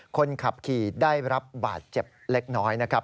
คนขับขี่ได้รับบาดเจ็บเล็กน้อยนะครับ